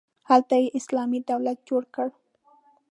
هلته یې اسلامي دولت جوړ کړ.